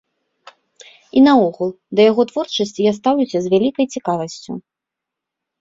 І наогул, да яго творчасці я стаўлюся з вялікай цікавасцю.